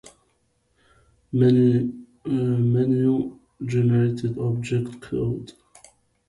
Menus generated object code.